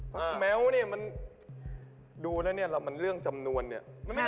ฟักแม้วดูแล้วเนี้ยมันเรื่องจำนวนนี่